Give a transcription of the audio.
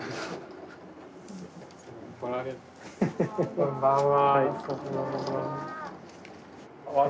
こんばんは。